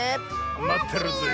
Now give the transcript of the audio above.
まってるぜえ。